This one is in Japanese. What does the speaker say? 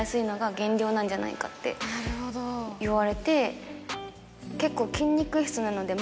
「なんじゃないか」って言われて。